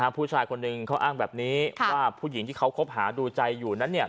ผู้ชายคนหนึ่งเขาอ้างแบบนี้ว่าผู้หญิงที่เขาคบหาดูใจอยู่นั้น